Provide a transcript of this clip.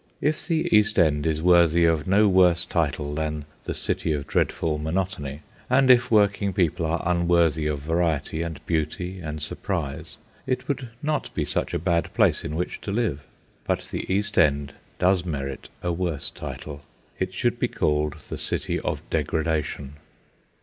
If the East End is worthy of no worse title than The City of Dreadful Monotony, and if working people are unworthy of variety and beauty and surprise, it would not be such a bad place in which to live. But the East End does merit a worse title. It should be called The City of Degradation.